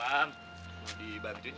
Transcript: mau dibantuin nggak